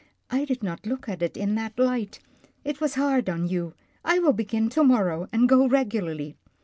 " I did not look at it in that light. It was hard on you. I will begin to morrow, and go regularly."